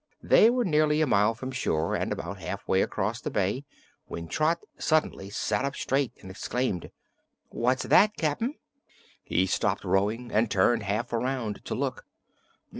They were nearly a mile from shore and about halfway across the bay when Trot suddenly sat up straight and exclaimed: "What's that, Cap'n?" He stopped rowing and turned half around to look.